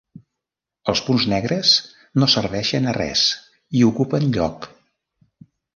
Els punts negres no serveixen a res i ocupen lloc.